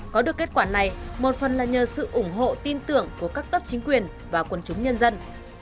có được kết quả này một phần là nhờ sự ủng hộ tin tưởng của các cấp chính quyền và quân chúng nhân dân